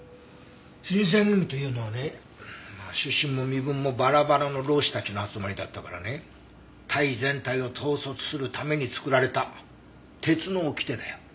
新選組というのはね出身も身分もバラバラの浪士たちの集まりだったからね隊全体を統率するために作られた鉄の掟だよ。